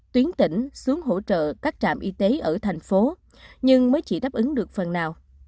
tuyến tỉnh xuống hỗ trợ các trạm y tế ở thành phố nhưng mới chỉ đáp ứng được phần nào